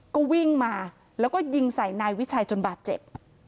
ก็วิ่งมาแล้วก็ยิงใส่นายวิชัยจนบาดเจ็บ